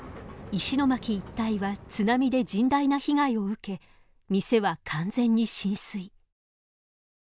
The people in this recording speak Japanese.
石巻一帯は津波で甚大な被害を受け店は完全に浸水。